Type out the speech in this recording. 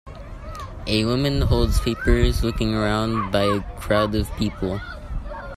A woman holds papers looking around by a crowd of people.